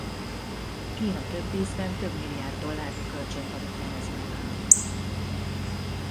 Kína több ízben több milliárd dollárnyi kölcsönt adott Venezuelának.